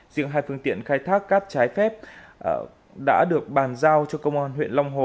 riêng hai phương tiện khai thác cát trái phép đã được bàn giao cho công an huyện long hồ